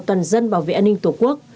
toàn dân bảo vệ an ninh tổ quốc